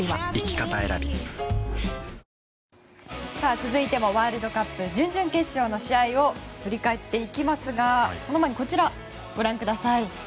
続いてもワールドカップ準々決勝の試合を振り返っていきますがその前にこちらご覧ください。